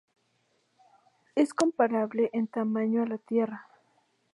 Es comparable en tamaño a la Tierra.